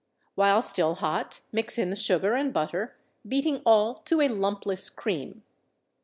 While still hot, mix in the sugar and butter, beating all to a lumpless cream.